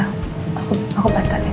aku aku batalin